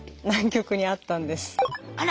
あら。